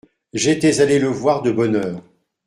J’étais allé le voir de bonne heure.